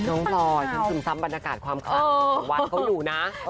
พลอยฉันซึมซับบรรยากาศความคลังของวัดเขาอยู่นะ